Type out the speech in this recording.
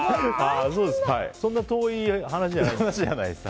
そんなに遠い話じゃないですね。